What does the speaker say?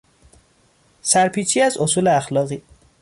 سر پیچی از اصول اخلاقی